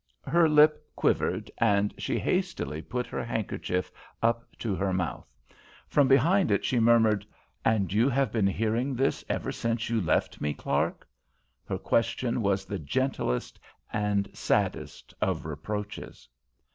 Her lip quivered and she hastily put her handkerchief up to her mouth. From behind it she murmured, "And you have been hearing this ever since you left me, Clark?" Her question was the gentlest and saddest of reproaches.